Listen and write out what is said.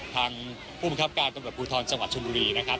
ทางผู้บังคับการตำรวจภูทรจังหวัดชนบุรีนะครับ